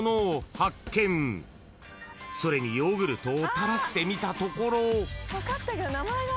［それにヨーグルトを垂らしてみたところ］